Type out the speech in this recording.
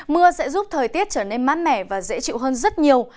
mưa sẽ giúp thời tiết trở nên mát mẻ và dễ chịu hơn rất nhiều